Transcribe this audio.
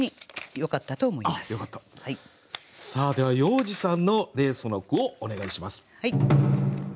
では要次さんの「レース」の句をお願いします。